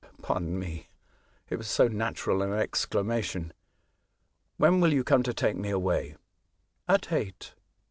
" Pardon me ; it was so natural an excla mation. When will you come to take me away ?"" At eight.